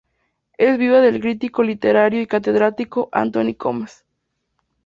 Es viuda del crítico literario y catedrático Antoni Comas.